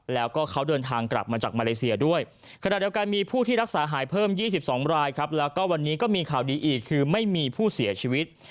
แล้วก็เขาเดินทางกลับมาจากมาเลเซียด้วยขณะเดียวกันมีผู้ที่รักษาหายเพิ่ม๒๒รายครับแล้วก็วันนี้ก็มีข่าวดีอีกคือไม่มีผู้เสียชีวิต